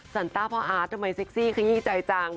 ต้าพ่ออาร์ตทำไมเซ็กซี่ขยี้ใจจัง